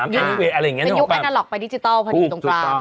เป็นยุคอนาล็อกไปดิจิทัลพอดีตรงกลาง